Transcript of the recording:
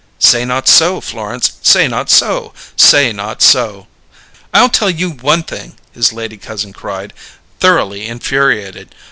"Say not so, Florence! Say not so! Say not so!" "I'll tell you one thing!" his lady cousin cried, thoroughly infuriated.